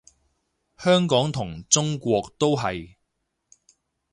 香港同中國都係